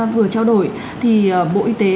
vừa trao đổi thì bộ y tế